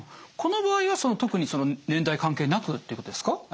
この場合は特に年代関係なくってことですか？